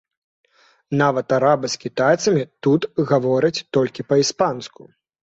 Нават арабы з кітайцамі тут гавораць толькі па-іспанску.